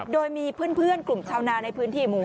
โดยมีเพื่อนกลุ่มชาวนาในพื้นที่หมู่๕